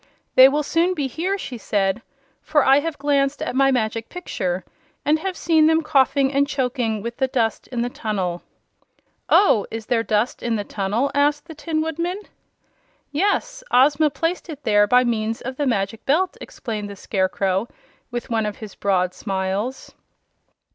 "They will soon be here," she said, "for I have just glanced at my Magic Picture, and have seen them coughing and choking with the dust in the tunnel." "Oh, is there dust in the tunnel?" asked the Tin Woodman. "Yes; Ozma placed it there by means of the Magic Belt," explained the Scarecrow, with one of his broad smiles.